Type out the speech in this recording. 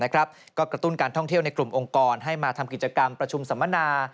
ก็กระตุ้นการท่องเที่ยวในกลุ่มองค์กรให้มาทำกิจกรรมประชุมสัมมนา